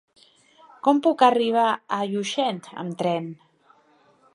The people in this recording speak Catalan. Com puc arribar a Llutxent amb tren?